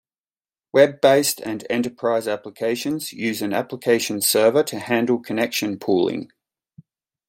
Web-based and enterprise applications use an application server to handle connection pooling.